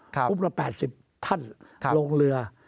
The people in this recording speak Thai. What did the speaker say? กลุ่มละ๘๐ท่านลงเรือ